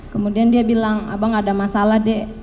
kemudian dia bilang abang ada masalah dek